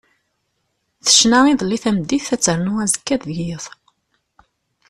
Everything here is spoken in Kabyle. Tecna iḍelli tameddit ad ternu azekka d yiḍ.